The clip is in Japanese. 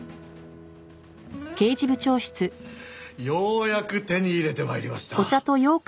ようやく手に入れて参りました。